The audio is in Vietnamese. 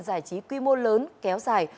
giải trí quy mô lớn kéo dài